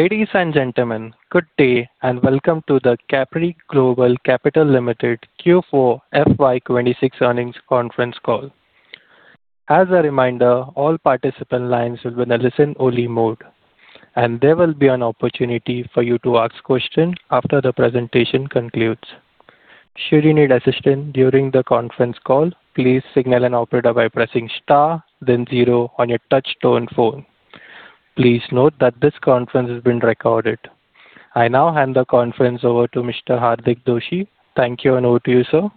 Ladies and gentlemen, good day, and welcome to the Capri Global Capital Limited Q4 FY 2026 Earnings Conference Call. As a reminder, all participant lines will be in a listen-only mode, and there will be an opportunity for you to ask questions after the presentation concludes. Should you need assistance during the conference call, please signal an operator by pressing star then zero on your touch tone phone. Please note that this conference is being recorded. I now hand the conference over to Mr. Hardik Doshi. Thank you, and over to you, sir.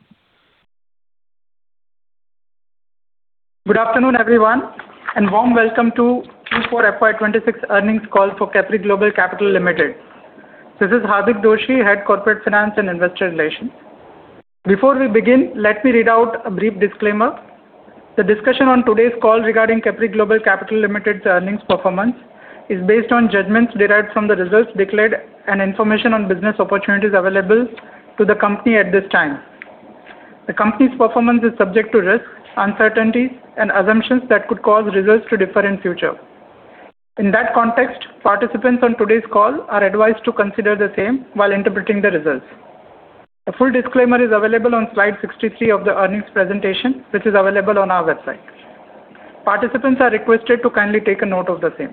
Good afternoon, everyone, and warm welcome to Q4 FY 2026 earnings call for Capri Global Capital Limited. This is Hardik Doshi, Head of Corporate Finance & Investor Relations. Before we begin, let me read out a brief disclaimer. The discussion on today's call regarding Capri Global Capital Limited's earnings performance is based on judgments derived from the results declared, and information on business opportunities available to the company at this time. The company's performance is subject to risks, uncertainties, and assumptions that could cause results to differ in future. In that context, participants on today's call are advised to consider the same while interpreting the results. A full disclaimer is available on slide 63 of the earnings presentation, which is available on our website. Participants are requested to kindly take a note of the same.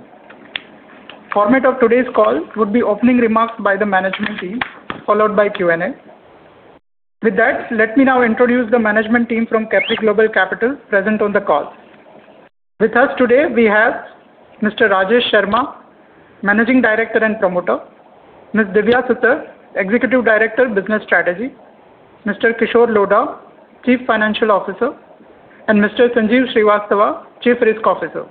Format of today's call would be opening remarks by the management team, followed by Q&A. With that, let me now introduce the management team from Capri Global Capital present on the call. With us today, we have Mr. Rajesh Sharma, Managing Director and Promoter, Ms. Divya Sutar, Executive Director, Business Strategy, Mr. Kishore Lodha, Chief Financial Officer, and Mr. Sanjeev Srivastava, Chief Risk Officer.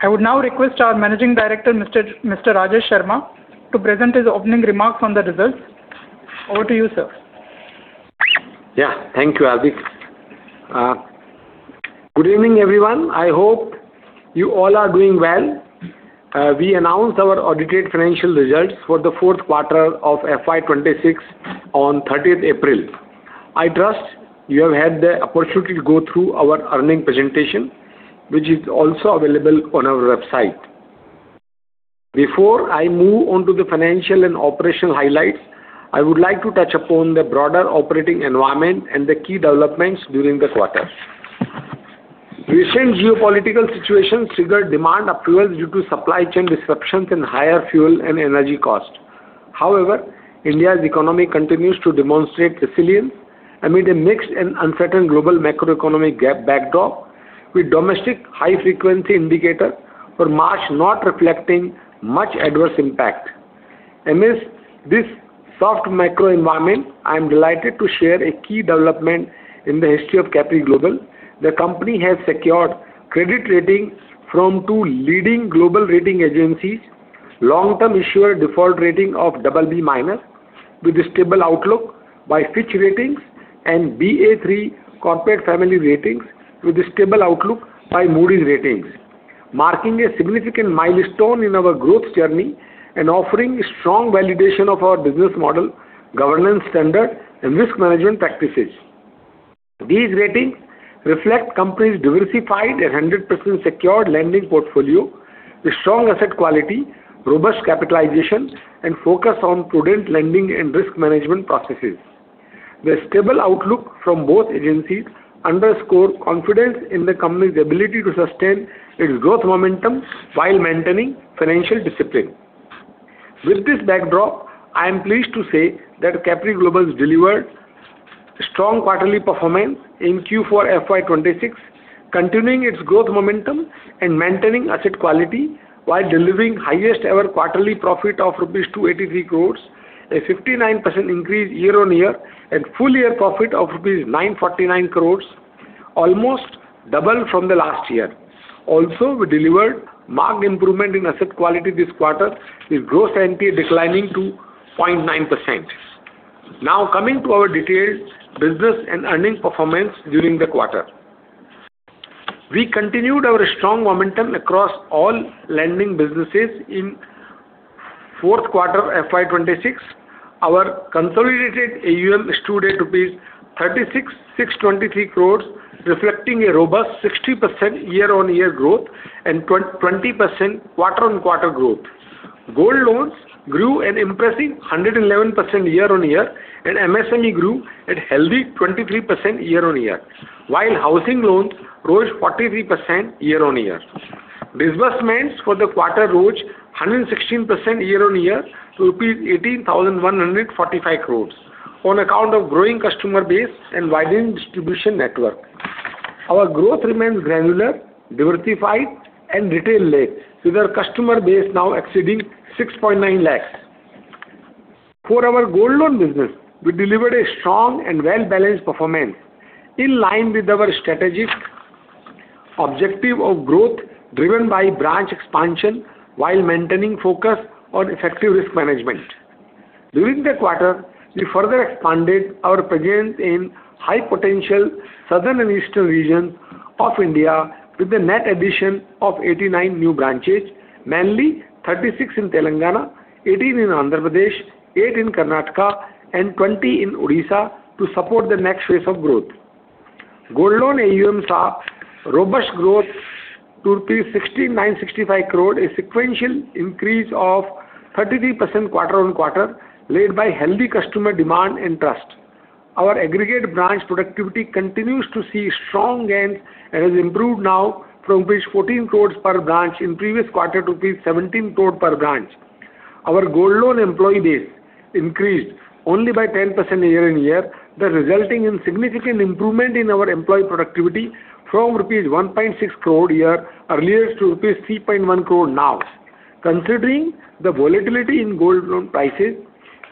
I would now request our Managing Director, Mr. Rajesh Sharma, to present his opening remarks on the results. Over to you, sir. Thank you, Hardik. Good evening, everyone. I hope you all are doing well. We announced our audited financial results for the fourth quarter of FY 2026 on 30th April. I trust you have had the opportunity to go through our earnings presentation, which is also available on our website. Before I move on to the financial and operational highlights, I would like to touch upon the broader operating environment, and the key developments during the quarter. Recent geopolitical situation triggered demand upheavals due to supply chain disruptions and higher fuel and energy costs. However, India's economy continues to demonstrate resilience amid a mixed and uncertain global macroeconomic backdrop, with domestic high-frequency indicators for March not reflecting much adverse impact. Amidst this soft macro environment, I am delighted to share a key development in the history of Capri Global. The company has secured credit rating from two leading global rating agencies, long-term issuer default rating of BB- with a stable outlook by Fitch Ratings and Ba3 corporate family ratings with a stable outlook by Moody's Ratings, marking a significant milestone in our growth journey, and offering strong validation of our business model, governance standard, and risk management practices. These ratings reflect company's diversified and 100% secured lending portfolio with strong asset quality, robust capitalization, and focus on prudent lending and risk management processes. The stable outlook from both agencies underscore confidence in the company's ability to sustain its growth momentum while maintaining financial discipline. With this backdrop, I am pleased to say that Capri Global delivered strong quarterly performance in Q4 FY 2026, continuing its growth momentum, and maintaining asset quality, while delivering highest ever quarterly profit of rupees 283 crores, a 59% increase year on year, and full year profit of rupees 949 crores, almost double from the last year. Also, we delivered marked improvement in asset quality this quarter, with gross NPA declining to 0.9%. Now, coming to our detailed business and earnings performance during the quarter. We continued our strong momentum across all lending businesses in fourth quarter FY 2026. Our consolidated AUM stood at rupees 36,623 crores, reflecting a robust 60% year on year growth, and 20% quarter on quarter growth. Gold loans grew an impressive 111% year on year, and MSME grew at healthy 23% year on year, while housing loans rose 43% year on year. Disbursement for the quarter rose 116% year onyear to rupees 18,145 crores on account of growing customer base, and widening distribution network. Our growth remains granular, diversified, and retail-led, with our customer base now exceeding 6.9 lakhs. For our gold loan business, we delivered a strong, and well-balanced performance in line with our strategic objective of growth driven by branch expansion while maintaining focus on effective risk management. During the quarter, we further expanded our presence in high potential southern and eastern regions of India with a net addition of 89 new branches, mainly 36 in Telangana, 18 in Andhra Pradesh, 8 in Karnataka, and 20 in Odisha to support the next phase of growth. Gold loan AUMs have robust growth to INR 6,965 crore, a sequential increase of 33% quarter on quarter led by healthy customer demand and trust. Our aggregate branch productivity continues to see strong gains, and has improved now from base rupees 14 crore per branch in previous quarter to rupees 17 crore per branch. Our gold loan employee base increased only by 10% year on year, thus resulting in significant improvement in our employee productivity from rupees 1.6 crore a year earlier to rupees 3.1 crore now. Considering the volatility in gold loan prices,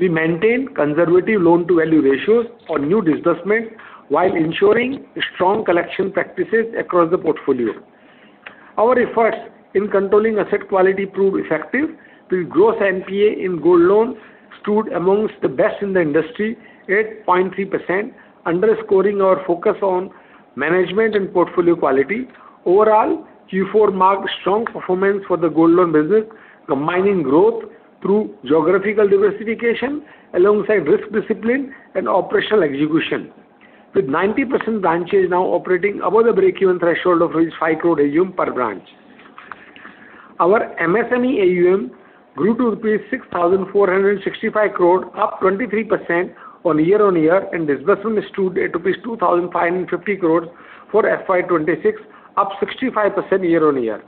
we maintain conservative loan-to-value ratios for new disbursements while ensuring strong collection practices across the portfolio. Our efforts in controlling asset quality proved effective with gross NPA in gold loans stood amongst the best in the industry at 0.3%, underscoring our focus on management and portfolio quality. Overall, Q4 marked strong performance for the gold loan business, combining growth through geographical diversification alongside risk discipline, and operational execution. With 90% branches now operating above the break-even threshold of rupees 5 crore AUM per branch. Our MSME AUM grew to rupees 6,465 crore, up 23% on year on year, and disbursements stood at rupees 2,550 crores for FY 2026, up 65% year on year,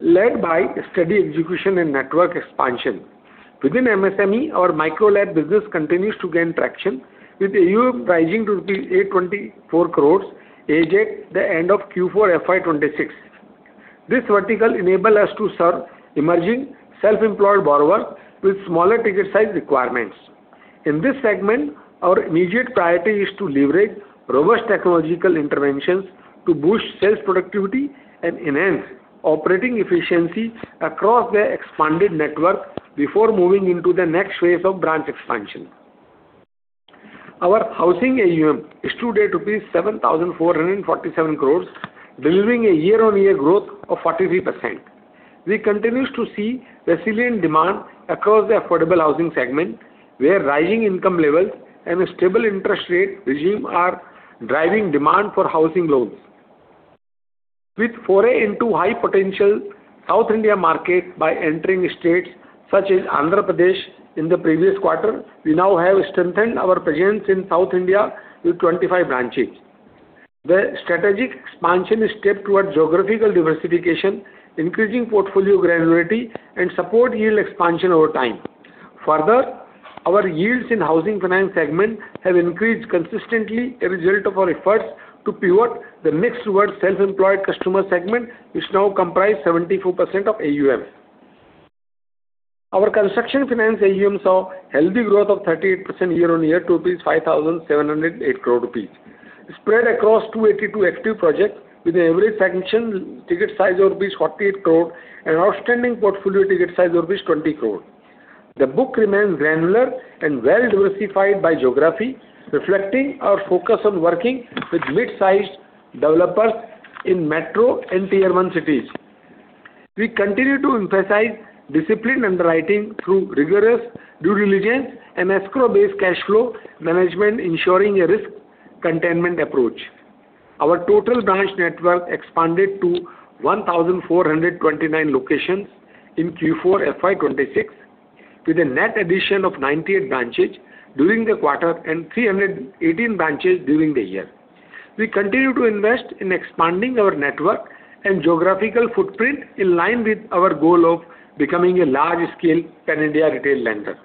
led by steady execution, and network expansion. Within MSME, our Micro LAP business continues to gain traction with AUM rising to rupees 824 crores as at the end of Q4 FY 2026. This vertical enable us to serve emerging self-employed borrowers with smaller ticket size requirements. In this segment, our immediate priority is to leverage robust technological interventions to boost sales productivity, and enhance operating efficiency across the expanded network before moving into the next phase of branch expansion. Our housing AUM stood at rupees 7,447 crores, delivering a year on year growth of 43%. We continue to see resilient demand across the affordable housing segment, where rising income levels, and a stable interest rate regime are driving demand for housing loans. With foray into high potential South India market by entering states such as Andhra Pradesh in the previous quarter, we now have strengthened our presence in South India with 25 branches. The strategic expansion step toward geographical diversification, increasing portfolio granularity, and support yield expansion over time. Further, our yields in housing finance segment have increased consistently, a result of our efforts to pivot the mix towards self-employed customer segment, which now comprise 74% of AUMs. Our construction finance AUMs saw healthy growth of 38% year on year to 5,708 crore rupees, spread across 282 active projects with an average sanction ticket size of 48 crore and outstanding portfolio ticket size of 20 crore. The book remains granular and well-diversified by geography, reflecting our focus on working with mid-sized developers in metro and tier one cities. We continue to emphasize discipline underwriting through rigorous due diligence, and escrow-based cash flow management, ensuring a risk containment approach. Our total branch network expanded to 1,429 locations in Q4 FY 2026, with a net addition of 98 branches during the quarter and 318 branches during the year. We continue to invest in expanding our network and geographical footprint in line with our goal of becoming a large scale pan-India retail lender.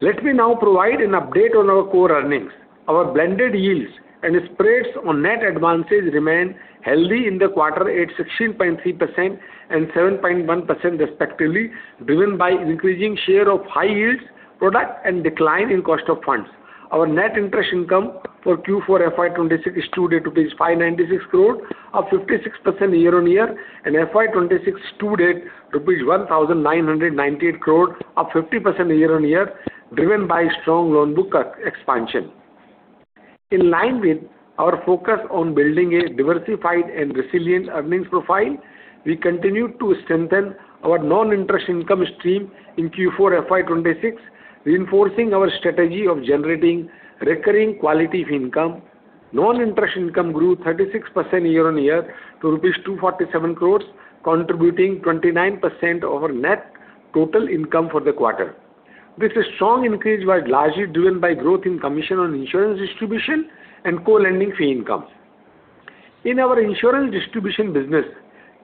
Let me now provide an update on our core earnings. Our blended yields, and spreads on net advances remain healthy in the quarter at 16.3% and 7.1% respectively, driven by increasing share of high yields product, and decline in cost of funds. Our net interest income for Q4 FY 2026 stood at 596 crore, up 56% year on year, and FY 2026 stood at 1,998 crore, up 50% year on year, driven by strong loan book expansion. In line with our focus on building a diversified, and resilient earnings profile, we continue to strengthen our non-interest income stream in Q4 FY 2026, reinforcing our strategy of generating recurring quality of income. Non-interest income grew 36% year on year to rupees 247 crores, contributing 29% of our net total income for the quarter. This strong increase was largely driven by growth in commission on insurance distribution, and co-lending fee income. In our insurance distribution business,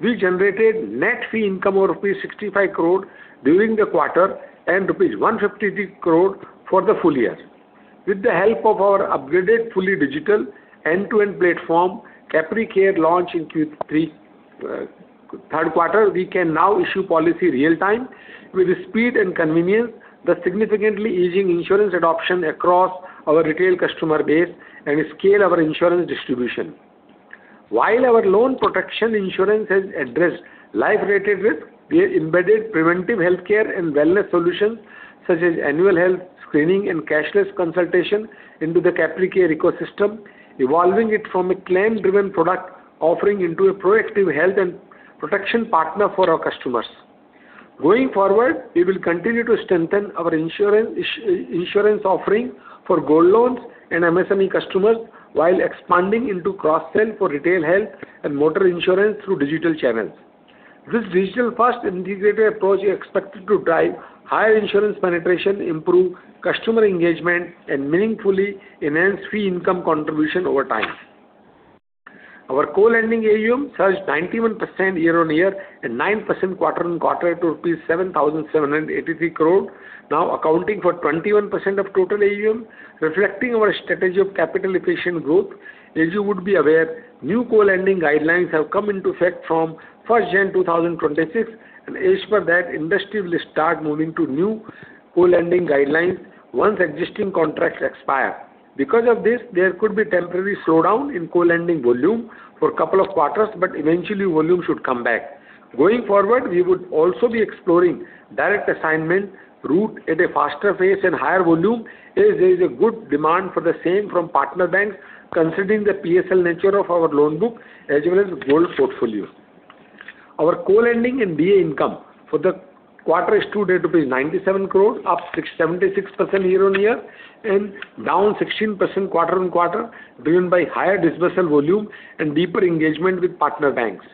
we generated net fee income of rupees 65 crore during the quarter, and rupees 153 crore for the full year. With the help of our upgraded fully digital end-to-end platform, Capri Care launch in Q3, third quarter, we can now issue policy real time with speed and convenience, thus significantly easing insurance adoption across our retail customer base, and scale our insurance distribution. While our loan protection insurance has addressed life-related risk, we have embedded preventive healthcare and wellness solutions such as annual health screening, and cashless consultation into the Capri Care ecosystem, evolving it from a claim-driven product offering into a proactive health and protection partner for our customers. Going forward, we will continue to strengthen our insurance offering for gold loans and MSME customers while expanding into cross-sell for retail health, and motor insurance through digital channels. This digital first integrated approach is expected to drive higher insurance penetration, improve customer engagement, and meaningfully enhance fee income contribution over time. Our co-lending AUM surged 91% year on year, and 9% quarter on quarter to rupees 7,783 crore, now accounting for 21% of total AUM, reflecting our strategy of capital-efficient growth. As you would be aware, new co-lending guidelines have come into effect from 1st January 2026, and as per that, industry will start moving to new co-lending guidelines once existing contracts expire. Because of this, there could be temporary slowdown in co-lending volume for couple of quarters, but eventually volume should come back. Going forward, we would also be exploring direct assignment route at a faster pace and higher volume as there is a good demand for the same from partner banks considering the PSL nature of our loan book as well as gold portfolio. Our co-lending and DA income for the quarter is 2.97 crore rupees, up 76% year on year and down 16% quarter on quarter, driven by higher dispersal volume, and deeper engagement with partner banks.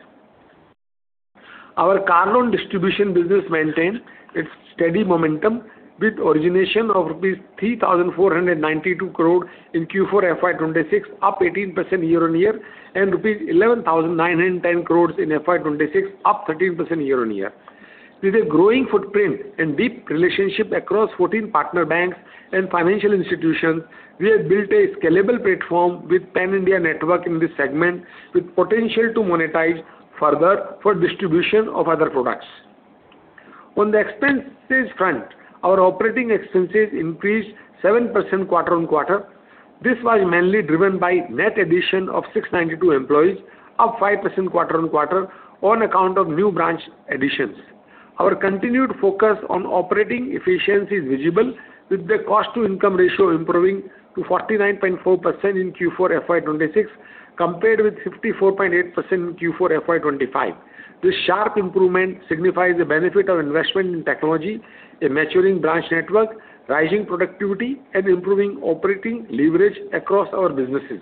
Our car loan distribution business maintained its steady momentum with origination of rupees 3,492 crore in Q4 FY 2026, up 18% year on year, and rupees 11,910 crore in FY 2026, up 13% year on year. With a growing footprint and deep relationship across 14 partner banks and financial institutions, we have built a scalable platform with pan-India network in this segment, with potential to monetize further for distribution of other products. On the expenses front, our operating expenses increased 7% quarter on quarter. This was mainly driven by net addition of 692 employees, up 5% quarter on quarter, on account of new branch additions. Our continued focus on operating efficiency is visible with the cost-to-income ratio improving to 49.4% in Q4 FY 2026, compared with 54.8% in Q4 FY 2025. This sharp improvement signifies the benefit of investment in technology, a maturing branch network, rising productivity, and improving operating leverage across our businesses.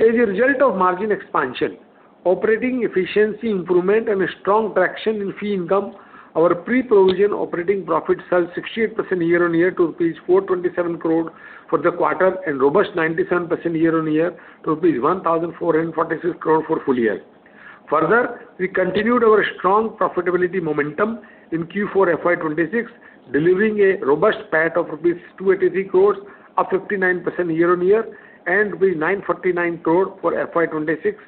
As a result of margin expansion, operating efficiency improvement, and a strong traction in fee income, our pre-provision operating profit surged 68% year on year to rupees 427 crore for the quarter, and robust 97% year on year to rupees 1,446 crore for full year. Further, we continued our strong profitability momentum in Q4 FY 2026, delivering a robust PAT of rupees 283 crores, up 59% year on year, and rupees 949 crore for FY 2026,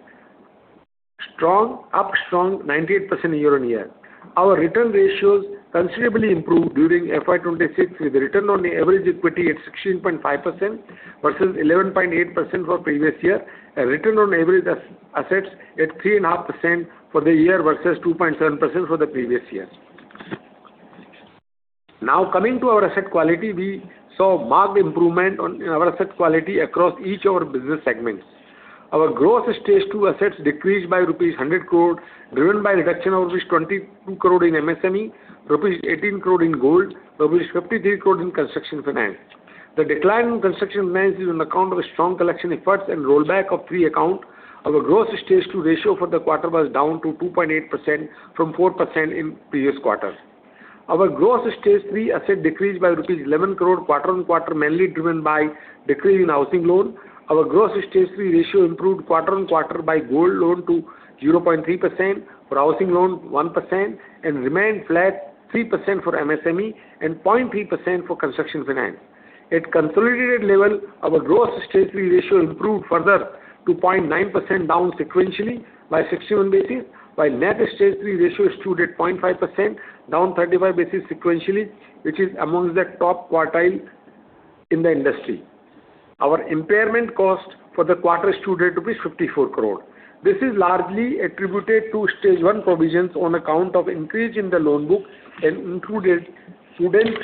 strong, up strong 98% year on year. Our return ratios considerably improved during FY 2026, with return on average equity at 16.5% versus 11.8% for previous year, and return on average assets at 3.5% for the year versus 2.7% for the previous year. Now coming to our asset quality, we saw marked improvement in our asset quality across each of our business segments. Our gross Stage 2 assets decreased by rupees 100 crore, driven by reduction of rupees 22 crore in MSME, rupees 18 crore in gold, rupees 53 crore in construction finance. The decline in construction finance is on account of strong collection efforts, and rollback of three account. Our gross Stage 2 ratio for the quarter was down to 2.8% from 4% in previous quarters. Our gross Stage 3 asset decreased by rupees 11 crore quarter on quarter, mainly driven by decrease in housing loan. Our gross Stage 3 ratio improved quarter on quarter by gold loan to 0.3%, for housing loan 1%, and remained flat 3% for MSME, and 0.3% for construction finance. At consolidated level, our gross Stage 3 ratio improved further to 0.9% down sequentially by 61 basis points, while net Stage 3 ratio stood at 0.5%, down 35 basis points sequentially, which is amongst the top quartile in the industry. Our impairment cost for the quarter stood at 54 crore. This is largely attributed to Stage 1 provisions on account of increase in the loan book, and included prudent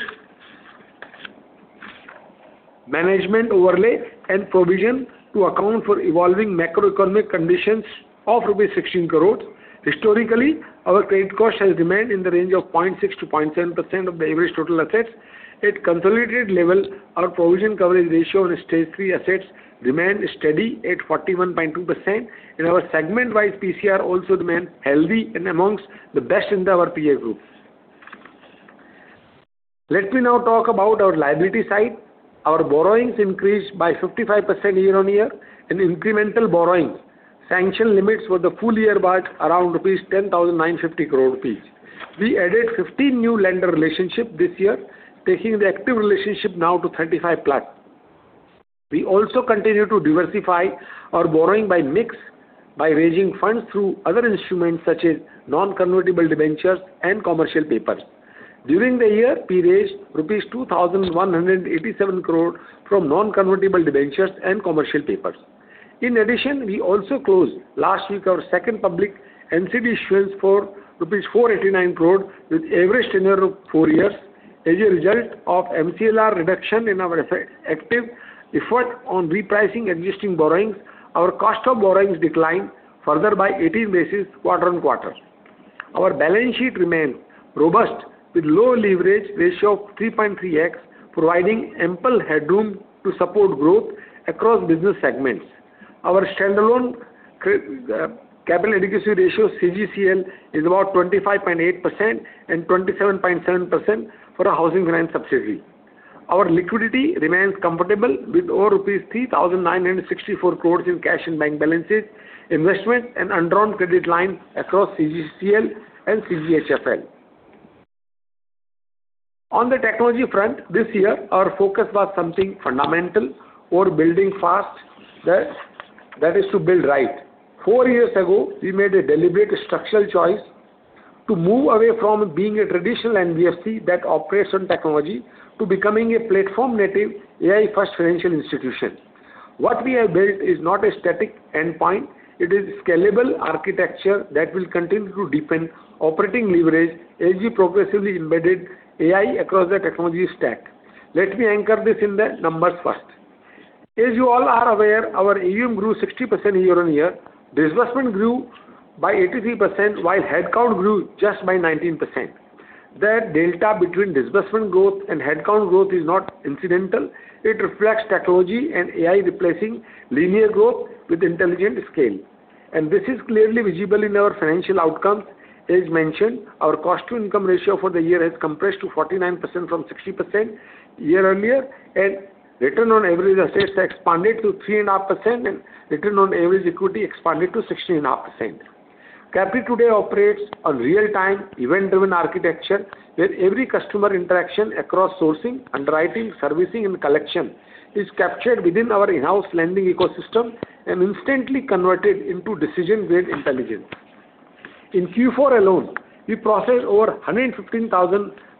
management overlay, and provision to account for evolving macroeconomic conditions of 16 crore. Historically, our credit cost has remained in the range of 0.6%-0.7% of the average total assets. At consolidated level, our provision coverage ratio on Stage 3 assets remained steady at 41.2%, and our segment-wise PCR also remained healthy, and amongst the best in our peer group. Let me now talk about our liability side. Our borrowings increased by 55% year on year, and incremental borrowings sanction limits for the full year was around 10,950 crore rupees. We added 15 new lender relationship this year, taking the active relationship now to 35 flat. We also continue to diversify our borrowing by mix, by raising funds through other instruments such as non-convertible debentures and commercial papers. During the year, we raised rupees 2,187 crore from non-convertible debentures and commercial papers. In addition, we also closed last week our second public NCD issuance for rupees 489 crore with average tenure of four years. As a result of MCLR reduction in our effective effort on repricing existing borrowings, our cost of borrowings declined further by 18 basis points quarter on quarter. Our balance sheet remained robust with low leverage ratio of 3.3x, providing ample headroom to support growth across business segments. Our standalone capital adequacy ratio, CGCL, is about 25.8% and 27.7% for a housing finance subsidiary. Our liquidity remains comfortable with over rupees 3,964 crore in cash and bank balances, investments and undrawn credit line across CGCL and CGHFL. On the technology front, this year our focus was something fundamental, or building fast that is to build right. Four years ago, we made a deliberate structural choice to move away from being a traditional NBFC that operates on technology to becoming a platform native AI first financial institution. What we have built is not a static endpoint. It is scalable architecture that will continue to deepen operating leverage as we progressively embedded AI across the technology stack. Let me anchor this in the numbers first. As you all are aware, our AUM grew 60% year on year. Disbursement grew by 83%, while headcount grew just by 19%. That delta between disbursement growth and headcount growth is not incidental. It reflects technology and AI replacing linear growth with intelligent scale. This is clearly visible in our financial outcomes. As mentioned, our cost-to-income ratio for the year has compressed to 49% from 60% year earlier, and return on average assets expanded to 3.5%, and return on average equity expanded to 16.5%. Capri today operates on real-time event-driven architecture, where every customer interaction across sourcing, underwriting, servicing and collection is captured within our in-house lending ecosystem, and instantly converted into decision grade intelligence. In Q4 alone, we processed over 115,000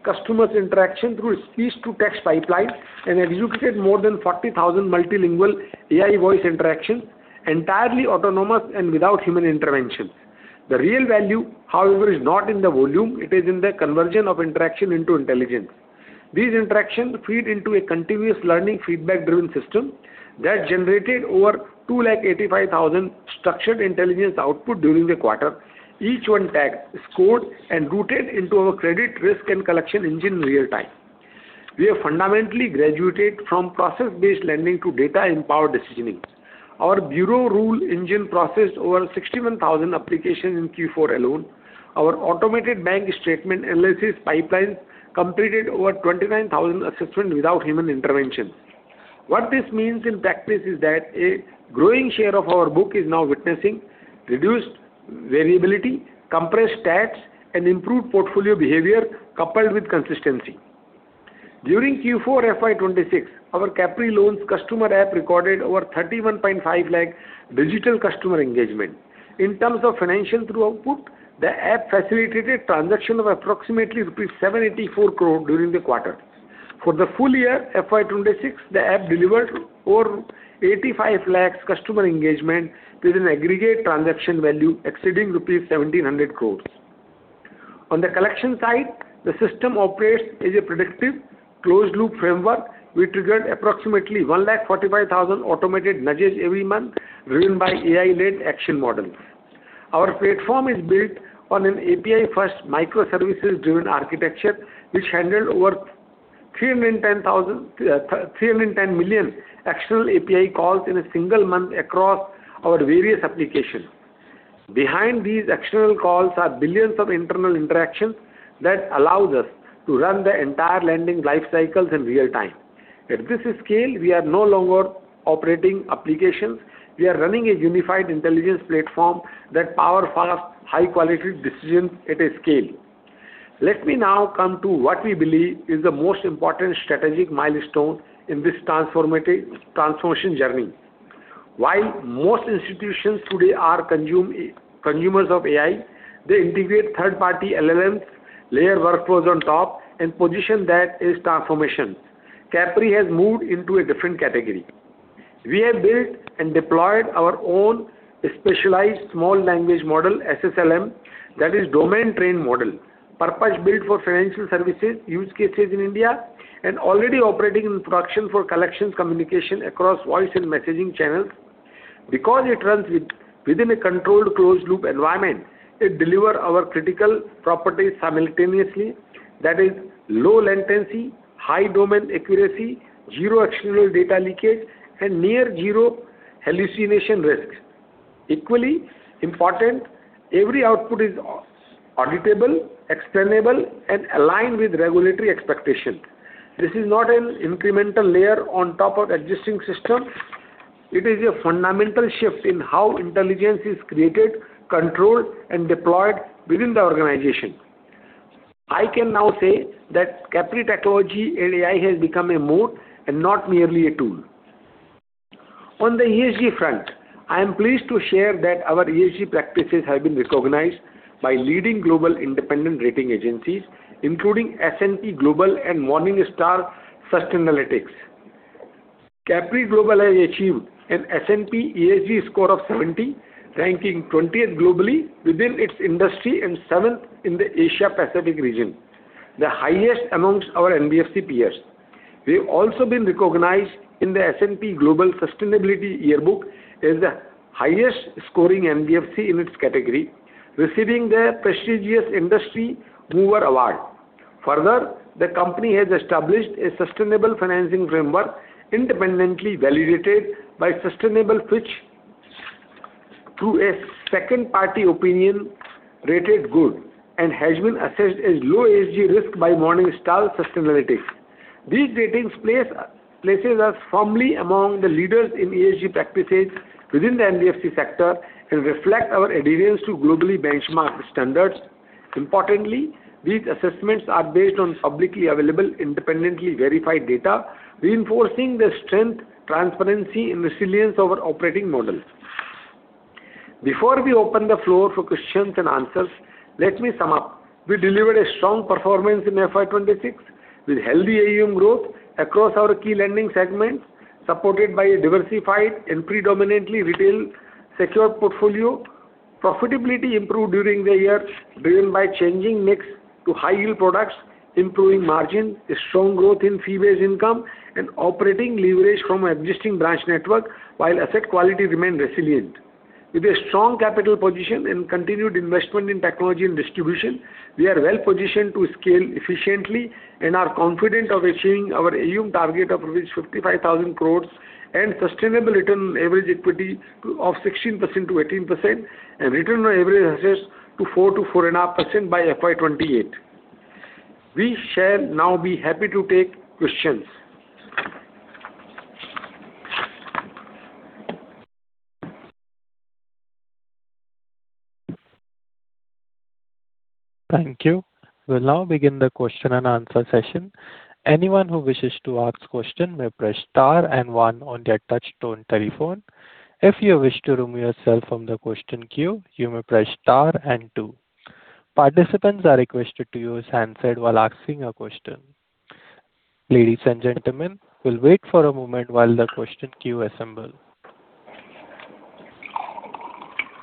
customers interaction through speech to text pipeline, and executed more than 40,000 multilingual AI voice interactions, entirely autonomous, and without human intervention. The real value, however, is not in the volume. It is in the conversion of interaction into intelligence. These interactions feed into a continuous learning feedback driven system that generated over 285,000 structured intelligence output during the quarter. Each one tagged, scored, and routed into our credit risk and collection engine real time. We have fundamentally graduated from process-based lending to data empowered decisioning. Our bureau rule engine processed over 61,000 applications in Q4 alone. Our automated bank statement analysis pipeline completed over 29,000 assessment without human intervention. What this means in practice is that a growing share of our book is now witnessing reduced variability, compressed stats, and improved portfolio behavior coupled with consistency. During Q4 FY 2026, our Capri Loans customer app recorded over 31.5 lakh digital customer engagement. In terms of financial through output, the app facilitated transaction of approximately rupees 784 crore during the quarter. For the full year FY 2026, the app delivered over 85 lakh customer engagement with an aggregate transaction value exceeding rupees 1,700 crore. On the collection side, the system operates as a predictive closed loop framework. We triggered approximately 145,000 automated nudges every month driven by AI-led action models. Our platform is built on an API-first microservices-driven architecture, which handled over 310 million external API calls in a single month across our various applications. Behind these external calls are billions of internal interactions that allows us to run the entire lending lifecycles in real time. At this scale, we are no longer operating applications. We are running a unified intelligence platform that power fast, high-quality decisions at a scale. Let me now come to what we believe is the most important strategic milestone in this transformative transformation journey. While most institutions today are consumers of AI, they integrate third party LLMs, layer workflows on top, and position that as transformation. Capri has moved into a different category. We have built and deployed our own specialized small language model, SSLM, that is domain trained model, purpose-built for financial services use cases in India, and already operating in production for collections communication across voice and messaging channels. Because it runs within a controlled closed loop environment, it deliver our critical properties simultaneously. That is low latency, high domain accuracy, zero external data leakage, and near zero hallucination risks. Equally important, every output is auditable, explainable, and aligned with regulatory expectations. This is not an incremental layer on top of existing systems. It is a fundamental shift in how intelligence is created, controlled, and deployed within the organization. I can now say that Capri technology and AI has become a mode and not merely a tool. On the ESG front, I am pleased to share that our ESG practices have been recognized by leading global independent rating agencies, including S&P Global and Morningstar Sustainalytics. Capri Global has achieved an S&P ESG score of 70, ranking 20th globally within its industry, and seventh in the Asia Pacific region, the highest amongst our NBFC peers. We've also been recognized in the S&P Global Sustainability Yearbook as the highest-scoring NBFC in its category, receiving their prestigious Industry Mover Award. Further, the company has established a sustainable financing framework independently validated by Sustainable Fitch through a second-party opinion rated good, and has been assessed as low ESG risk by Morningstar Sustainalytics. These ratings places us firmly among the leaders in ESG practices within the NBFC sector, and reflect our adherence to globally benchmarked standards. Importantly, these assessments are based on publicly available, independently verified data, reinforcing the strength, transparency, and resilience of our operating model. Before we open the floor for questions and answers, let me sum up. We delivered a strong performance in FY 2026 with healthy AUM growth across our key lending segments, supported by a diversified and predominantly retail secured portfolio. Profitability improved during the year, driven by changing mix to high-yield products, improving margin, a strong growth in fee-based income, and operating leverage from existing branch network, while asset quality remained resilient. With a strong capital position, and continued investment in technology and distribution, we are well-positioned to scale efficiently, and are confident of achieving our AUM target of rupees 55,000 crores, and sustainable return on average equity of 16%-18%, and return on average assets to 4%-4.5% by FY 2028. We shall now be happy to take questions. Thank you. We'll now begin the question and answer session. Anyone who wishes to ask question may press star and one on their touch tone telephone. If you wish to remove yourself from the question queue, you may press star and two. Participants are requested to use handset while asking a question. Ladies and gentlemen, we'll wait for a moment while the question queue assemble.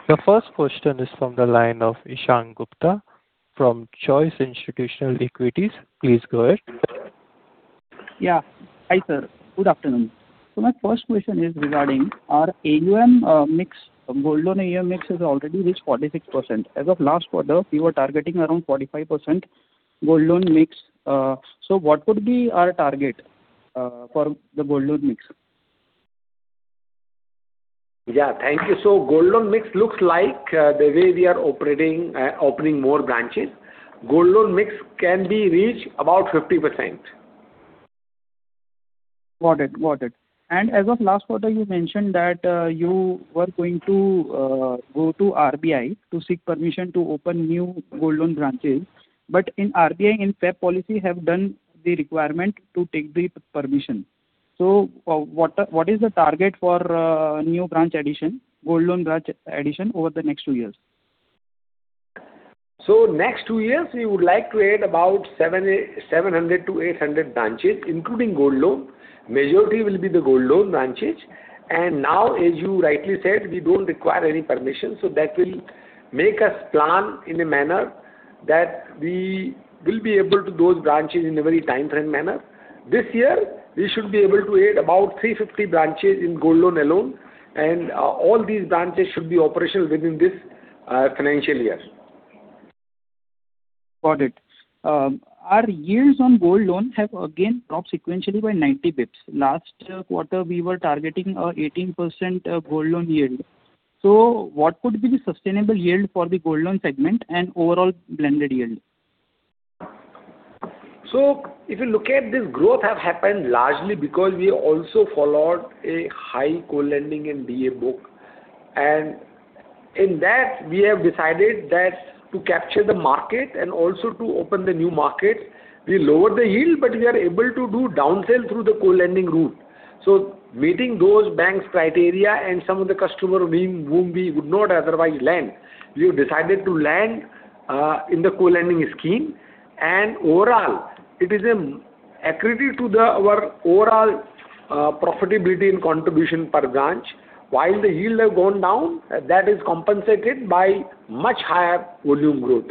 The first question is from the line of Ishank Gupta from Choice Institutional Equities. Please go ahead. Yeah. Hi, sir. Good afternoon. My first question is regarding our AUM mix. Gold loan AUM mix has already reached 46%. As of last quarter, we were targeting around 45% gold loan mix. What would be our target for the gold loan mix? Yeah. Thank you. Gold loan mix looks like the way we are operating, opening more branches, gold loan mix can be reached about 50%. Got it. Got it. As of last quarter, you mentioned that, you were going to, go to RBI to seek permission to open new gold loan branches. In RBI, in February policy, have done the requirement to take the permission. What is the target for new branch addition, gold loan branch addition over the next two years? Next two years, we would like to add about 700 branches-800 branches, including gold loan. Majority will be the gold loan branches. Now, as you rightly said, we don't require any permission, so that will make us plan in a manner that we will be able to those branches in a very time frame manner. This year, we should be able to add about 350 branches in gold loan alone, and all these branches should be operational within this financial year. Got it. Our yields on gold loans have again dropped sequentially by 90 basis points. Last quarter, we were targeting 18% gold loan yield. What would be the sustainable yield for the gold loan segment, and overall blended yield? If you look at this growth has happened largely because we also followed a high co-lending in DA book. In that, we have decided that to capture the market, and also to open the new market, we lower the yield, but we are able to do down sell through the co-lending route. Meeting those banks' criteria, and some of the customer whom we would not otherwise lend, we have decided to lend in the co-lending scheme. Overall, it is an accretion to the, our overall, profitability and contribution per branch. While the yield have gone down, that is compensated by much higher volume growth.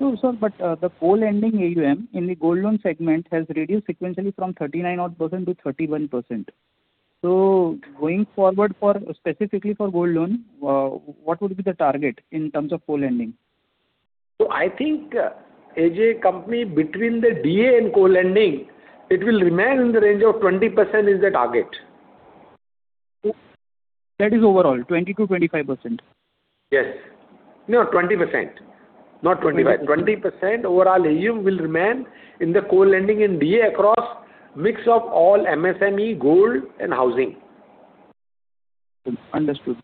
Sure, sir, the co-lending AUM in the gold loan segment has reduced sequentially from 39 odd percent to 31%. Going forward for, specifically for gold loan, what would be the target in terms of co-lending? I think as a company between the DA and co-lending, it will remain in the range of 20% is the target. That is overall, 20%-25%? Yes. No, 20%. Not 25%. 20%? 20% overall AUM will remain in the co-lending and DA across mix of all MSME, gold, and housing. Understood.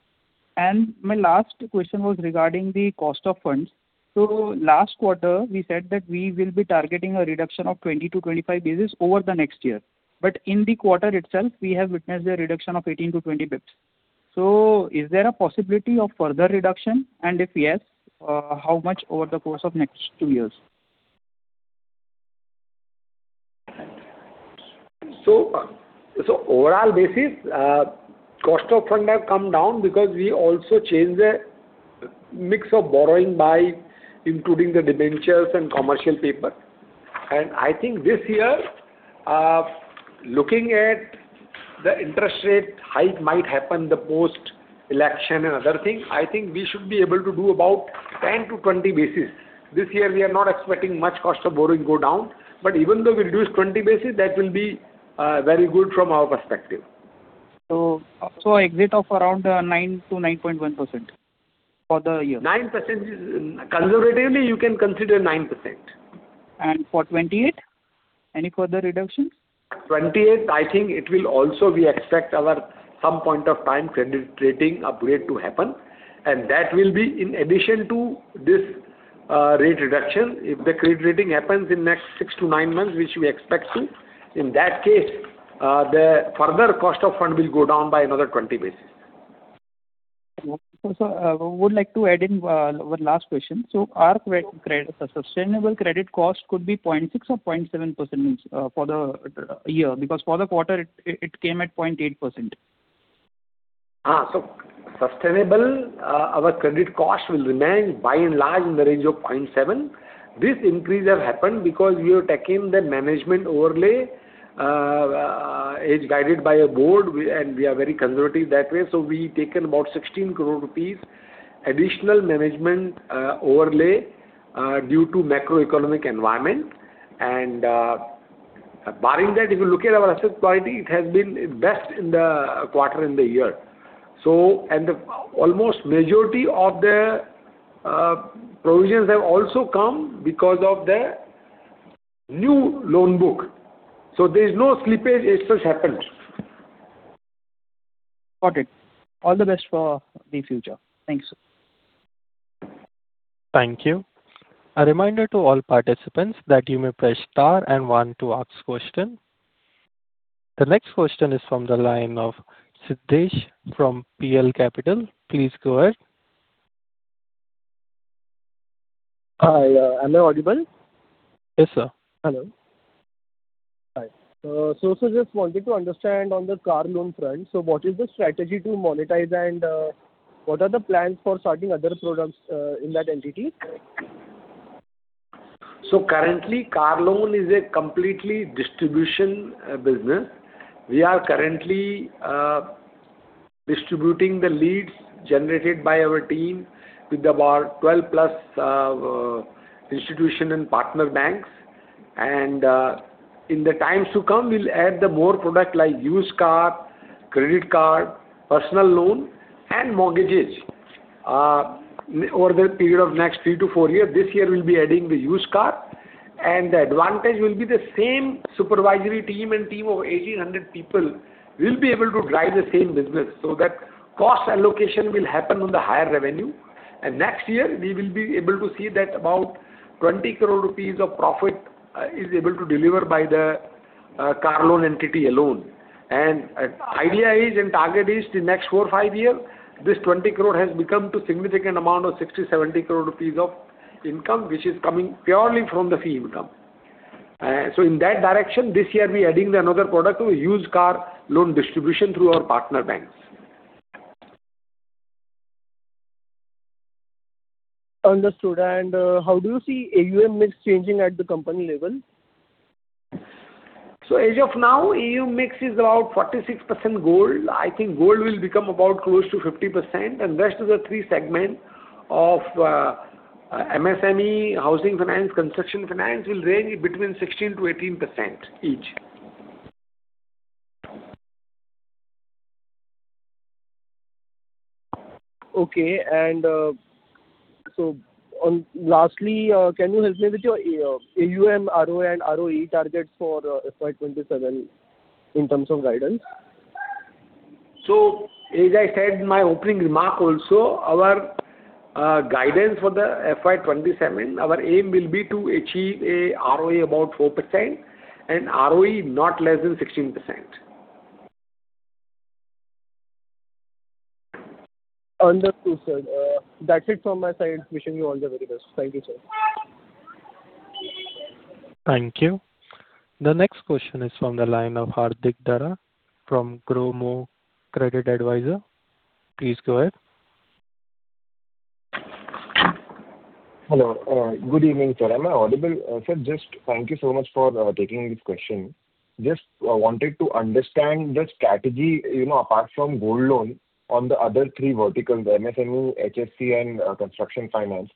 My last question was regarding the cost of funds. Last quarter, we said that we will be targeting a reduction of 20 basis points-25 basis points over the next year. In the quarter itself, we have witnessed a reduction of 18 basis points-20 basis points. Is there a possibility of further reduction? If yes, how much over the course of next two years? Overall basis, cost of fund has come down because we also changed the mix of borrowing by including the debentures and commercial paper. I think this year, looking at the interest rate hike might happen the post-election and other things, I think we should be able to do about 10 basis points-20 basis points. This year we are not expecting much cost of borrowing go down. Even though we reduce 20 basis points, that will be very good from our perspective. Exit of around 9%-9.1% for the year? 9%, conservatively, you can consider 9%. for 2028, any further reductions? 2028, I think it will also we expect our some point of time credit rating upgrade to happen, and that will be in addition to this, rate reduction. If the credit rating happens in next 6 months-9 months, which we expect to, in that case, the further cost of fund will go down by another 20 basis points. Sir, I would like to add in one last question. Our credit, sustainable credit cost could be 0.6% or 0.7% for the year, because for the quarter it came at 0.8%? Our credit cost will remain by and large in the range of 0.7%. This increase has happened because we are taking the management overlay, as guided by our Board, we, and we are very conservative that way, we taken about 16 crore rupees additional management overlay due to macroeconomic environment. Barring that, if you look at our asset quality, it has been best in the quarter in the year. The almost majority of the provisions have also come because of the new loan book. There is no slippage, it just happened. Got it. All the best for the future. Thanks. Thank you. A reminder to all participants that you may press star and one to ask question. The next question is from the line of Siddhesh from PL Capital. Please go ahead. Hi, am I audible? Yes, sir. Hello. Hi. Just wanted to understand on the car loan front. What is the strategy to monetize, and what are the plans for starting other products in that entity? Currently, car loan is a completely distribution business. We are currently distributing the leads generated by our team with about 12+ institution and partner banks. In the times to come, we'll add the more product like used car, credit card, personal loan, and mortgages over the period of next 3 years-4 years. This year we'll be adding the used car, and the advantage will be the same supervisory team and team of 1,800 people will be able to drive the same business, so that cost allocation will happen on the higher revenue. Next year we will be able to see that about 20 crore rupees of profit is able to deliver by the car loan entity alone. Idea is and target is in next four, five years, this 20 crore has become to significant amount of 60, 70 crore rupees of income, which is coming purely from the fee income. In that direction, this year we adding another product to used car loan distribution through our partner banks. Understood. How do you see AUM mix changing at the company level? As of now, AUM mix is about 46% gold. I think gold will become about close to 50%. Rest of the three segment of MSME, housing finance, construction finance will range between 16%-18% each. Okay. Lastly, can you help me with your AUM, ROA and ROE targets for FY 2027 in terms of guidance? As I said in my opening remark also, our guidance for the FY 2027, our aim will be to achieve a ROA about 4% and ROE not less than 16%. Understood, sir. That's it from my side. Wishing you all the very best. Thank you, sir. Thank you. The next question is from the line of Hardik Dara from GrowMo Credit Advisors. Please go ahead. Hello. Good evening, sir. Am I audible? Sir, just thank you so much for taking this question. Just wanted to understand the strategy, you know, apart from gold loan on the other three verticals, MSME, HFC and construction finance.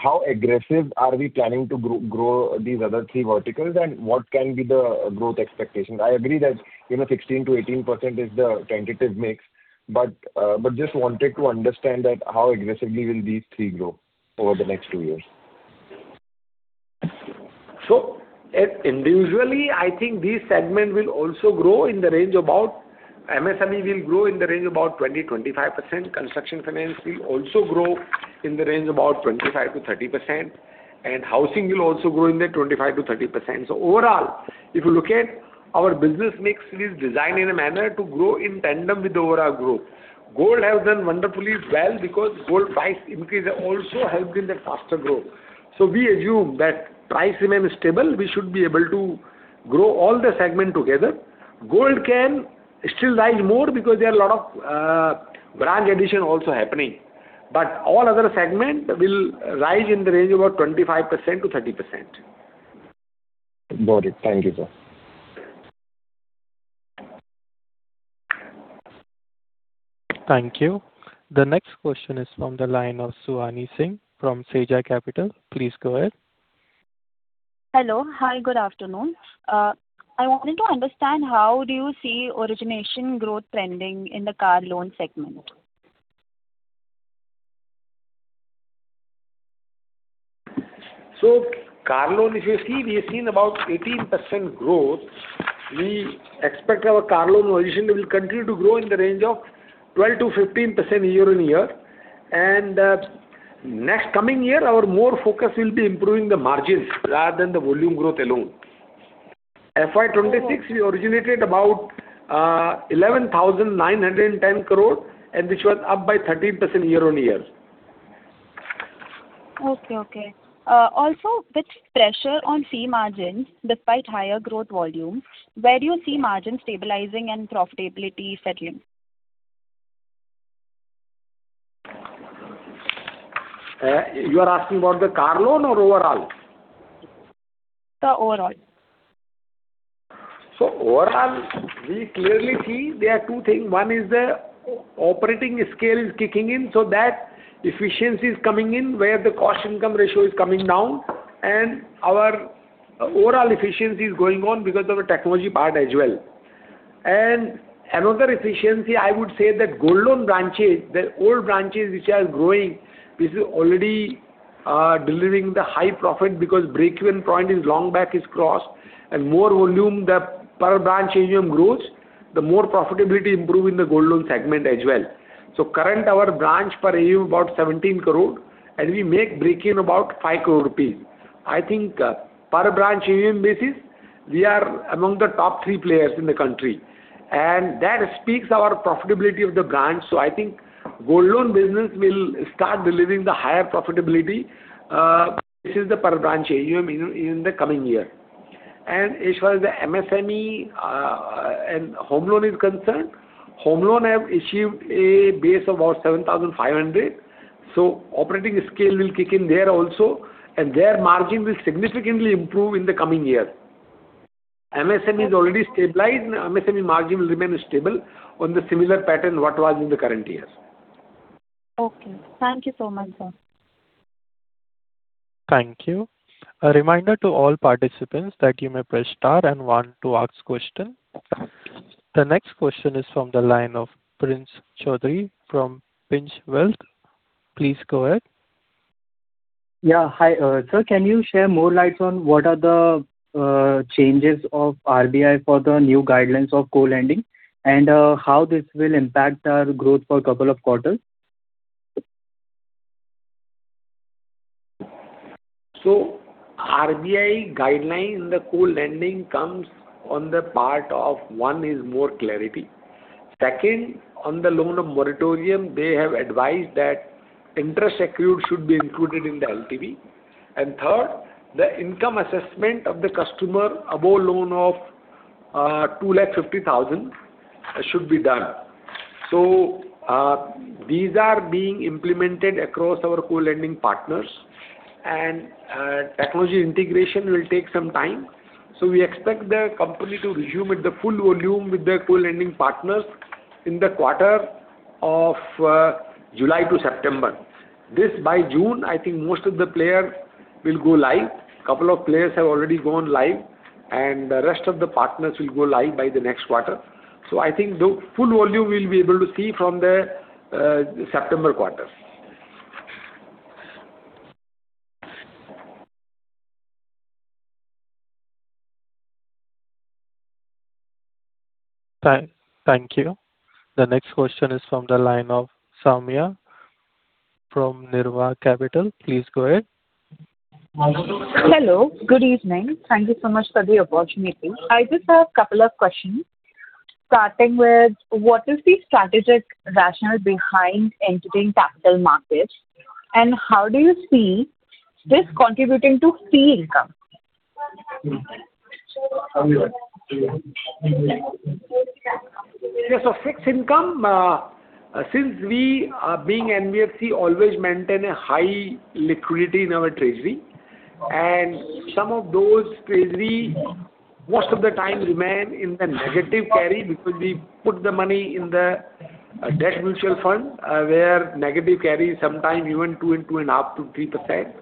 How aggressive are we planning to grow these other three verticals, and what can be the growth expectation? I agree that, you know, 16%-18% is the tentative mix. Just wanted to understand that how aggressively will these three grow over the next two years. Individually, I think these segment will also grow in the range about. MSME will grow in the range about 20%-25%. Construction finance will also grow in the range about 25%-30%. Housing will also grow in the 25%-30%. Overall, if you look at our business mix, it is designed in a manner to grow in tandem with the overall growth. Gold has done wonderfully well because gold price increase also helped in the faster growth. We assume that price remains stable, we should be able to grow all the segment together. Gold can still rise more because there are a lot of branch addition also happening. All other segment will rise in the range about 25%-30%. Got it. Thank you, sir. Thank you. The next question is from the line of Suhani Singh from Sejai Capital. Please go ahead. Hello. Hi, good afternoon. I wanted to understand how do you see origination growth trending in the car loan segment? Car loan, if you see, we have seen about 18% growth. We expect our car loan origination will continue to grow in the range of 12%-15% year on year. Next coming year, our more focus will be improving the margins rather than the volume growth alone. FY 2026, we originated about 11,910 crore, which was up by 13% year on year. Okay. Okay. With pressure on fee margins despite higher growth volume, where do you see margins stabilizing and profitability settling? You are asking about the car loan or overall? The overall. Overall, we clearly see there are two things. One is the operating scale is kicking in, so that efficiency is coming in where the cost-to-income ratio is coming down and our overall efficiency is going on because of the technology part as well. Another efficiency, I would say that gold loan branches, the old branches which are growing, this is already delivering the high profit because break-even point is long back is crossed,` and more volume the per branch AUM grows, the more profitability improve in the gold loan segment as well. Current our branch per AUM about 17 crore, and we make break-even about 5 crore rupees. I think, per branch AUM basis, we are among the top three players in the country, and that speaks our profitability of the branch. I think gold loan business will start delivering the higher profitability, this is the per branch AUM in the coming year. As far as the MSME and home loan is concerned, home loan have achieved a base of about 7,500, so operating scale will kick in there also, and their margin will significantly improve in the coming year. MSME is already stabilized. MSME margin will remain stable on the similar pattern what was in the current years. Okay. Thank you so much, sir. Thank you. A reminder to all participants that you may press star and one to ask question. The next question is from the line of Prince Choudhary from PINC Wealth. Please go ahead. Hi. Sir, can you share more lights on what are the changes of RBI for the new guidelines of co-lending, and how this will impact our growth for couple of quarters? RBI guideline in the co-lending comes on the part of, one is more clarity. Second, on the loan of moratorium, they have advised that interest accrued should be included in the LTV. Third, the income assessment of the customer above loan of 250,000 should be done. These are being implemented across our co-lending partners, and technology integration will take some time. We expect the company to resume at the full volume with the co-lending partners in the quarter of July to September. This by June, I think most of the player will go live. Couple of players have already gone live, and the rest of the partners will go live by the next quarter. I think the full volume we'll be able to see from the September quarter. Thank you. The next question is from the line of Soumya from Nirvan Capital. Please go ahead. Hello, good evening. Thank you so much for the opportunity. I just have couple of questions. Starting with what is the strategic rationale behind entering capital markets, and how do you see this contributing to fee income? Yes. Fixed income, since we are being NBFC always maintain a high liquidity in our treasury, and some of those treasury most of the time remain in the negative carry because we put the money in the debt mutual fund, where negative carry is sometimes even 2.5%-3%.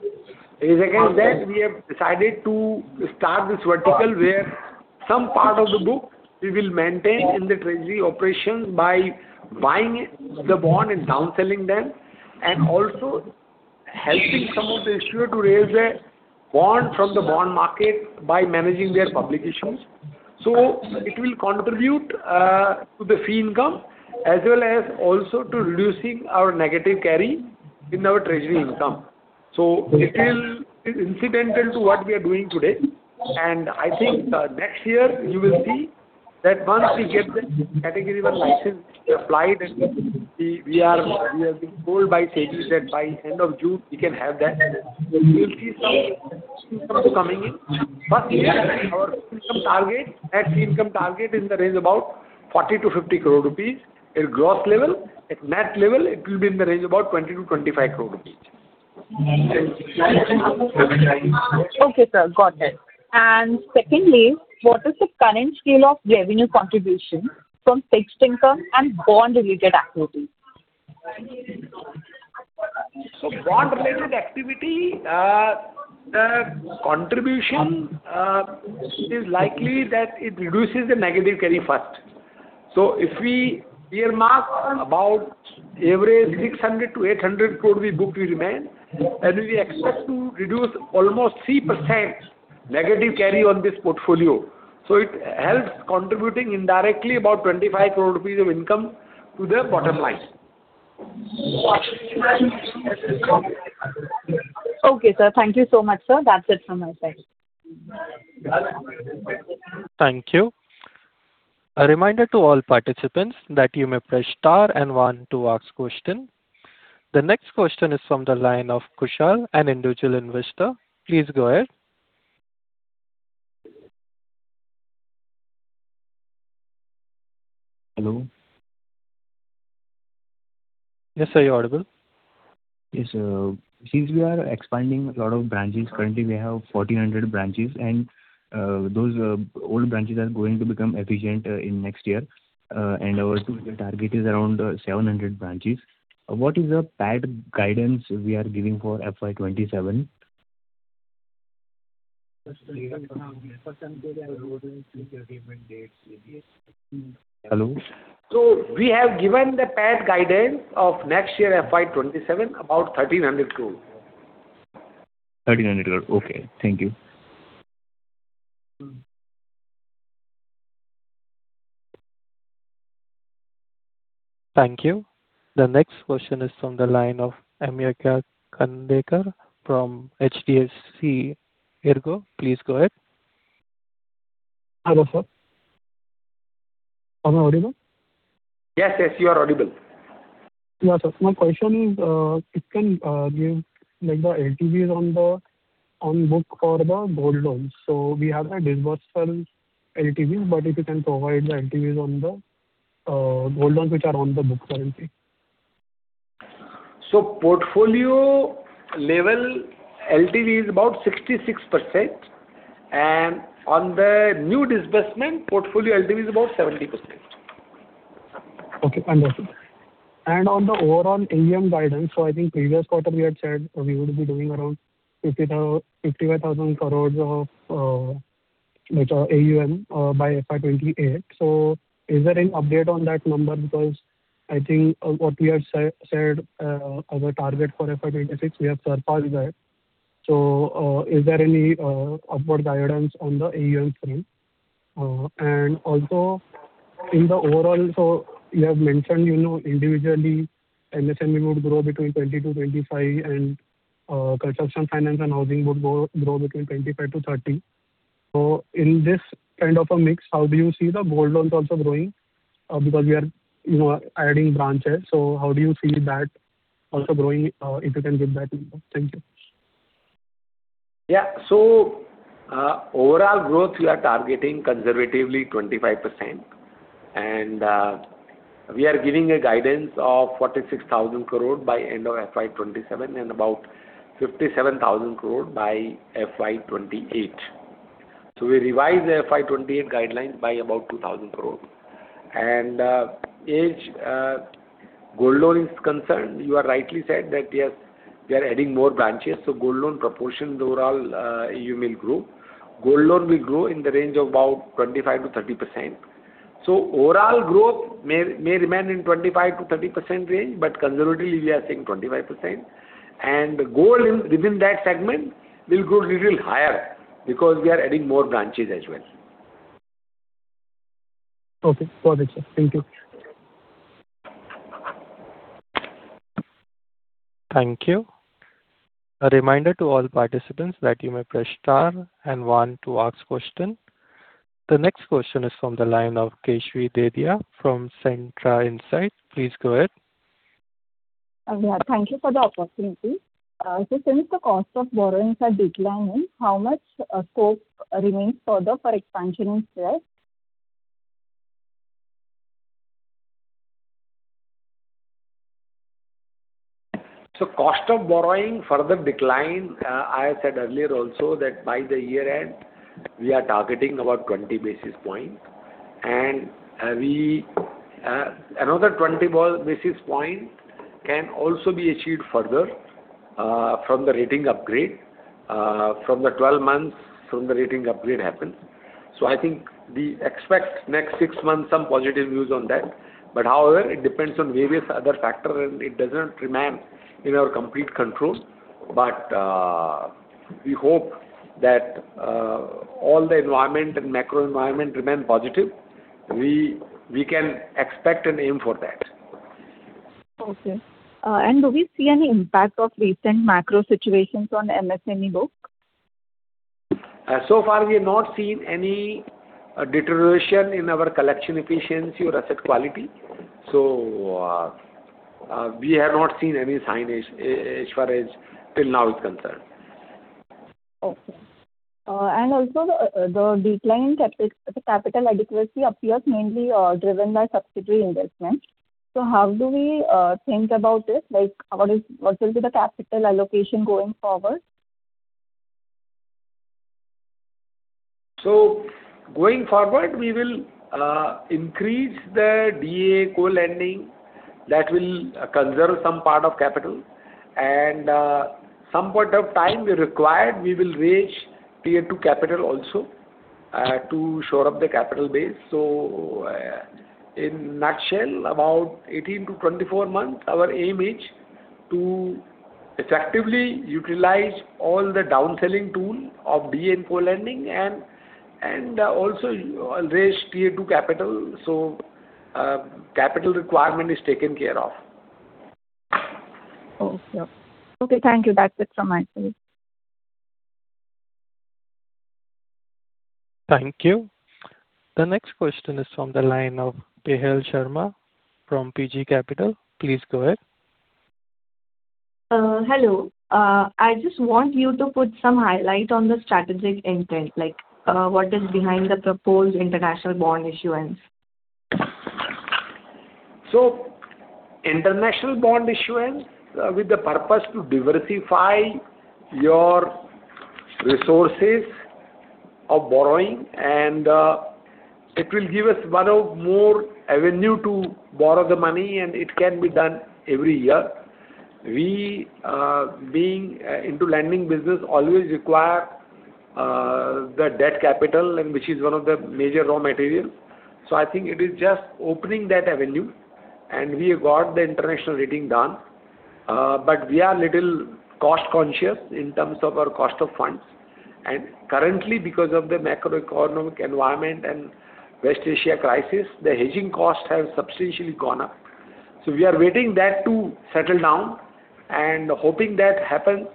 As against that, we have decided to start this vertical where some part of the book we will maintain in the treasury operations by buying the bond, and down selling them, and also helping some of the issuer to raise a bond from the bond market by managing their public issues. It will contribute to the fee income as well as also to reducing our negative carry in our treasury income. It will be incidental to what we are doing today. I think, next year you will see that once we get the Category I license, we applied, and we have been told by SEBI that by end of June we can have that. You'll see some income coming in. Yeah, our income target, net income target is in the range of about 40 crore-50 crore rupees in gross level. At net level, it will be in the range of about 20 crore-25 crore rupees. Okay, sir. Got that. Secondly, what is the current scale of revenue contribution from fixed income and bond-related activities? Bond-related activity, contribution, it is likely that it reduces the negative carry first. If we earmark about average 600 crore-800 crore we booked will remain, and we expect to reduce almost 3% negative carry on this portfolio. It helps contributing indirectly about 25 crore rupees of income to the bottom line. Okay, sir. Thank you so much, sir. That's it from my side. Thank you. A reminder to all participants that you may press star and one to ask question. The next question is from the line of Kushal, an individual investor. Please go ahead. Hello. Yes, sir. You're audible. Yes. Since we are expanding a lot of branches, currently we have 1,400 branches, and those old branches are going to become efficient in next year. Our target is around 700 branches. What is the PAT guidance we are giving for FY 2027? Hello? We have given the PAT guidance of next year, FY 2027, about 1,300 crore. 1,300 crore. Okay. Thank you. Thank you. The next question is from the line of Ameerka Andekar from HDFC ERGO. Please go ahead. Hello, sir. Am I audible? Yes, yes, you are audible. Yeah, sir. My question is, if you can give like the LTVs on the, on book for the gold loans. We have the disbursement LTVs, but if you can provide the LTVs on the, gold loans which are on the book currently. Portfolio level LTV is about 66%. On the new disbursement, portfolio LTV is about 70%. Okay, understood. On the overall AUM guidance, I think previous quarter we had said we would be doing around 50,000 crore-55,000 crore of AUM by FY 2028. Is there any update on that number? I think what we have said as a target for FY 2026, we have surpassed that. Is there any upward guidance on the AUM front? Also in the overall, you have mentioned, you know, individually, MSME would grow between 20%-25%, and construction finance and housing would grow between 25%-30%. In this kind of a mix, how do you see the gold loans also growing? We are, you know, adding branches, so how do you see that also growing? If you can give that number. Thank you. Overall growth we are targeting conservatively 25%. We are giving a guidance of 46,000 crore by end of FY 2027, and about 57,000 crore by FY 2028. We revised the FY 2028 guidelines by about INR 2,000 crore. As gold loan is concerned, you are rightly said that, yes, we are adding more branches, gold loan proportion overall AUM will grow. Gold loan will grow in the range of about 25%-30%. Overall growth may remain in 25%-30% range, but conservatively we are saying 25%. Gold within that segment will grow little higher because we are adding more branches as well. Okay. Got it, sir. Thank you. Thank you. A reminder to all participants that you may press star and one to ask question. The next question is from the line of Kashvi Dedhia from Centra Insights. Please go ahead. Yeah. Thank you for the opportunity. Since the cost of borrowings are declining, how much scope remains further for expansion in stress? Cost of borrowing further decline, I said earlier also that by the year end we are targeting about 20 basis points. We another 20 basis point can also be achieved further from the rating upgrade from the 12 months from the rating upgrade happens. I think we expect next six months some positive news on that. However, it depends on various other factor and it doesn't remain in our complete control. We hope that all the environment and macro environment remain positive. We can expect, and aim for that. Okay. Do we see any impact of recent macro situations on MSME book? So far we have not seen any deterioration in our collection efficiency or asset quality. We have not seen any sign as far as till now is concerned. Okay. Also the decline in capital adequacy appears mainly driven by subsidiary investment. How do we think about it? Like, what will be the capital allocation going forward? Going forward, we will increase the DA co-lending. That will conserve some part of capital. Some point of time we require, we will raise Tier 2 capital also to shore up the capital base. In nutshell, about 18 months-24 months, our aim is to effectively utilize all the down selling tool of DA co-lending and also raise Tier 2 capital, so, capital requirement is taken care of. Okay. Okay, thank you. That's it from my side. Thank you. The next question is from the line of Pehel Sharma from PG Capital. Please go ahead. Hello. I just want you to put some highlight on the strategic intent, like, what is behind the proposed international bond issuance? International bond issuance, with the purpose to diversify your resources of borrowing, it will give us one of more avenue to borrow the money, and it can be done every year. We, being into lending business, always require the debt capital, and which is one of the major raw materials. I think it is just opening that avenue, and we have got the international rating done. We are little cost-conscious in terms of our cost of funds. Currently because of the macroeconomic environment and West Asia crisis, the hedging cost has substantially gone up. We are waiting that to settle down, and hoping that happens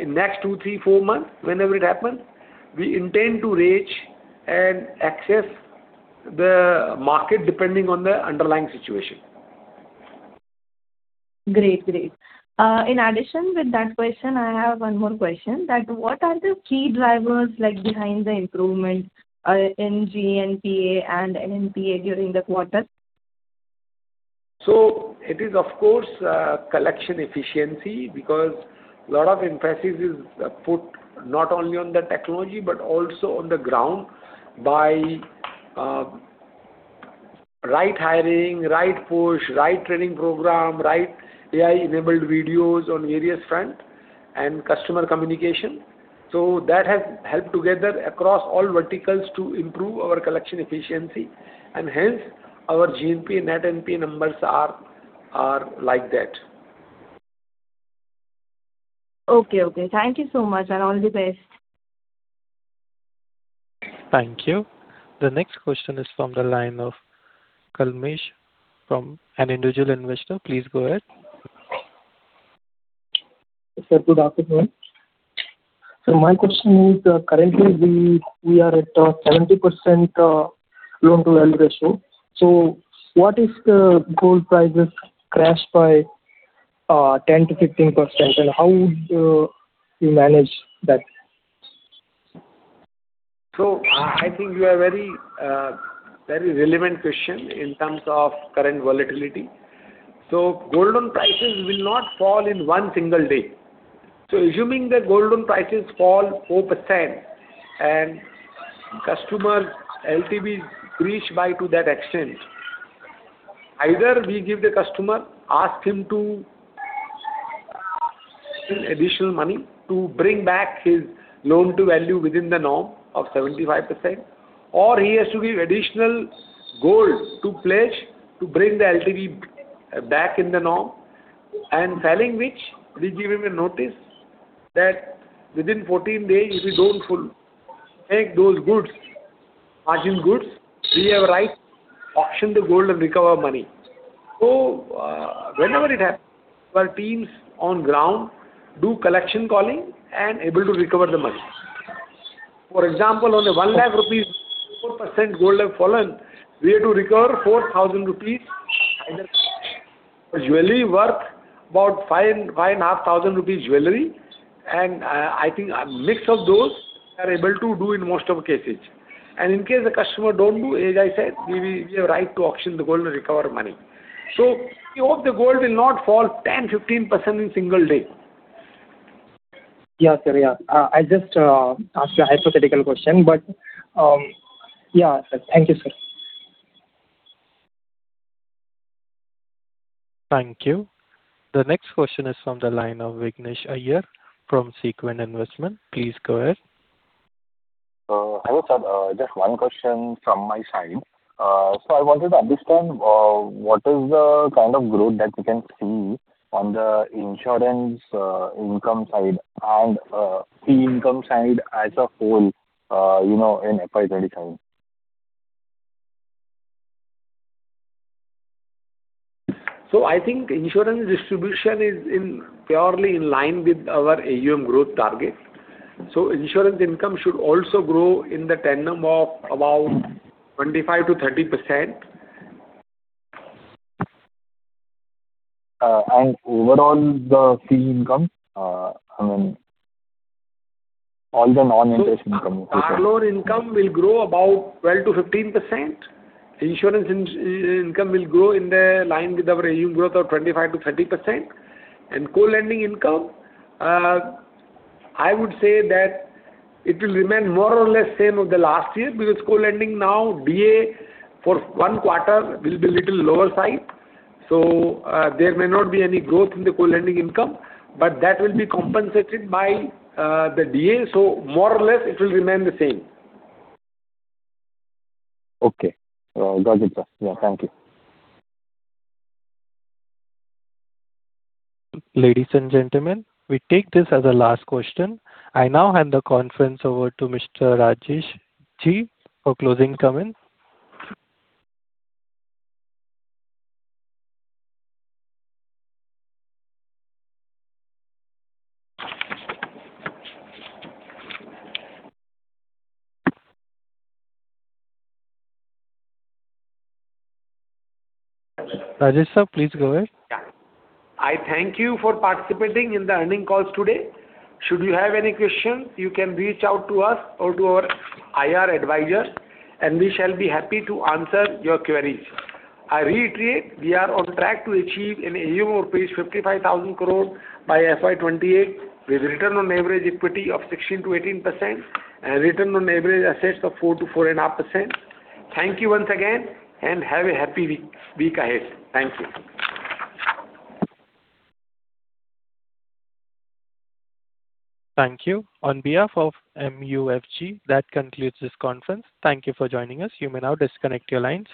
in next two, three, four months. Whenever it happens, we intend to reach, and access the market depending on the underlying situation. Great. Great. In addition with that question, I have one more question that what are the key drivers like behind the improvement in GNPA and NPA during the quarter? It is of course, collection efficiency because lot of emphasis is put not only on the technology, but also on the ground by right hiring, right push, right training program, right AI-enabled videos on media front, and customer communication. That has helped together across all verticals to improve our collection efficiency, and hence our GNPA, net NPA numbers are like that. Okay. Okay. Thank you so much and all the best. Thank you. The next question is from the line of Kalmesh from an individual investor. Please go ahead. Sir, good afternoon. My question is, currently we are at 70% loan to value ratio. What if the gold prices crash by 10%-15%? How would you manage that? I think you have very, very relevant question in terms of current volatility. Gold loan prices will not fall in one single day. Assuming the gold loan prices fall 4%, and customer LTVs breach by to that extent, either we give the customer, ask him to pay additional money to bring back his loan to value within the norm of 75%, or he has to give additional gold to pledge to bring the LTV back in the norm. Telling which, we give him a notice that within 14 days if you don't fulfill, take those goods, margin goods, we have a right to auction the gold, and recover money. Whenever it happens, our teams on ground do collection calling, and able to recover the money. For example, on a 1 lakh rupees, 4% gold have fallen, we have to recover 4,000 rupees. Jewelry worth about 5,500 rupees jewelry, and I think a mix of those we are able to do in most of cases. In case the customer don't do, as I said, we have right to auction the gold, and recover money. We hope the gold will not fall 10%-15% in single day. Yeah, sir. Yeah. I just asked a hypothetical question, yeah. Thank you, sir. Thank you. The next question is from the line of Vighnesh Iyer from Sequent Investments. Please go ahead. Hello, sir. Just one question from my side. I wanted to understand, what is the kind of growth that we can see on the insurance income side and fee income side as a whole, you know, in FY 2025. I think insurance distribution is in purely in line with our AUM growth target. Insurance income should also grow in the tandem of about 25%-30%. Overall the fee income? I mean, all the non-interest income. Card loan income will grow about 12%-15%. Insurance income will grow in line with our AUM growth of 25%-30%. Co-lending income, I would say that it will remain more or less same as the last year because co-lending now DA for one quarter will be little lower side. There may not be any growth in the co-lending income, but that will be compensated by the DA, more or less it will remain the same. Okay. Got it, sir. Thank you. Ladies and gentlemen, we take this as a last question. I now hand the conference over to Mr. Rajesh for closing comments. Rajesh, Sir, please go ahead. Yeah. I thank you for participating in the earnings calls today. Should you have any questions, you can reach out to us or to our IR advisor, and we shall be happy to answer your queries. I reiterate, we are on track to achieve an AUM of rupees 55,000 crore by FY 2028, with return on average equity of 16%-18%, and return on average assets of 4%-4.5%. Thank you once again, and have a happy week ahead. Thank you. Thank you. On behalf of MUFG, that concludes this conference. Thank you for joining us. You may now disconnect your lines.